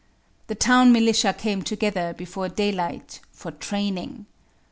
The town militia came together before daylight, "for training."